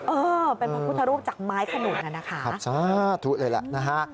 เออเป็นพระพุทธรูปจากไม้ขนุนน่ะนะคะครับสาธุเลยแหละนะฮะ